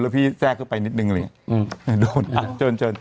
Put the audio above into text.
แล้วพี่แทรกเข้าไปนิดหนึ่งอะไรอย่างนี้อืมโดนอ่ะเชิญเชิญ